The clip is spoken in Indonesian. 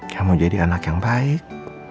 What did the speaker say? kamu jadi anak yang baik